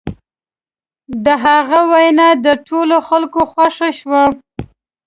د هغه وینا د ټولو خلکو خوښه شوه.